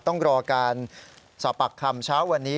ต้องรอการสอบปากคำเช้าวันนี้